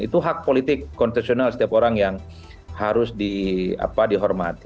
itu hak politik konsesional setiap orang yang harus dihormati